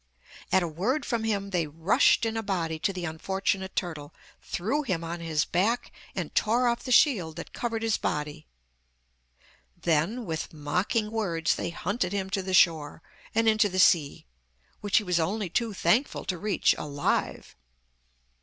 At a word from him they rushed in a body to the unfortunate turtle, threw him on his back, and tore off the shield that covered his body. Then with mocking words they hunted him to the shore, and into the sea, which he was only too thankful to reach alive.